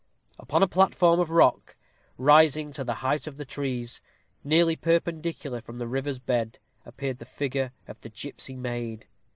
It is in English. Upon a platform of rock, rising to the height of the trees, nearly perpendicularly from the river's bed, appeared the figure of the gipsy maid.